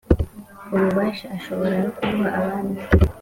Ububasha ashobora no kubuha abandi